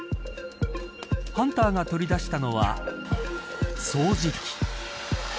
ハンターが取り出したのは掃除機。